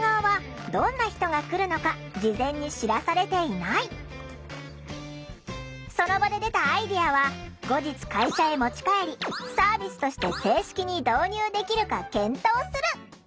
ちなみに店側はその場で出たアイデアは後日会社へ持ち帰りサービスとして正式に導入できるか検討する。